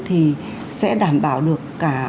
thì sẽ đảm bảo được